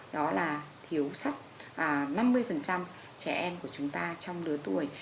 đó là thiếu sắc năm mươi trẻ em của chúng ta trong đứa tuổi